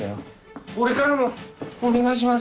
俺からもお願いします。